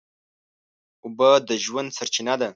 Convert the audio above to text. اوبه د ژوند سرچینه ده.